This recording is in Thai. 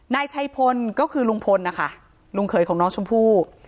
นายชัยพลก็คือลุงพลนะคะลุงเขยของน้องชมพู่